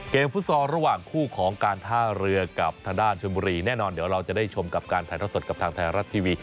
ฟุตซอลระหว่างคู่ของการท่าเรือกับทางด้านชนบุรีแน่นอนเดี๋ยวเราจะได้ชมกับการถ่ายทอดสดกับทางไทยรัฐทีวี